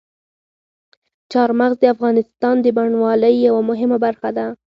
چار مغز د افغانستان د بڼوالۍ یوه مهمه برخه ده.